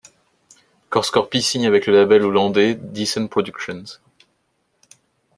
Cor Scorpii signe avec le label Hollandais Descent Productions.